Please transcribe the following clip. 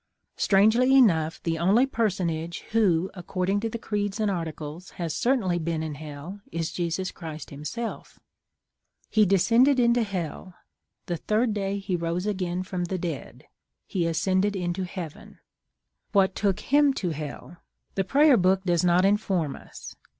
Strangely enough, the only personage who, according to the creeds and articles, has certainly been in hell, is Jesus Christ himself: "He descended into hell; the third day he rose again from the dead; he ascended into heaven." What took him to hell? The Prayer Book does not inform us.